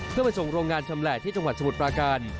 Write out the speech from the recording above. เพื่อไปส่งโรงงานชำแหละที่จังหวัดสมุทรปราการ